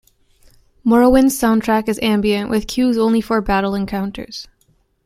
"Morrowind"s soundtrack is ambient, with cues only for battle encounters.